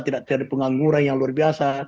tidak terjadi pengangguran yang luar biasa